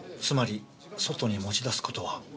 つまり外に持ち出す事は。